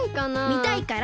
みたいから！